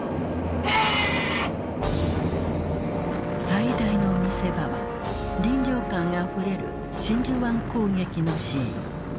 最大の見せ場は臨場感あふれる真珠湾攻撃のシーン。